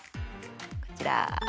こちら。